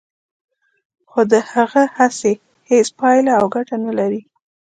خو د هغه هڅې هیڅ پایله او ګټه نه لري